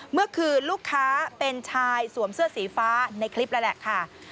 เมื่อคืนลูกค้าเป็นชายสวมเสื้อสีฟ้าในคลิปแล้วแหละค่ะ